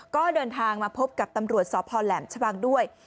ก็เดินทางมาพบกับตำรวจสพแหลมชะบังด้วย